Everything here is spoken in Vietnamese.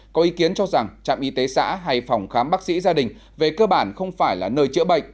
có ý kiến cho rằng trạm y tế xã hay phòng khám bác sĩ gia đình về cơ bản không phải là nơi chữa bệnh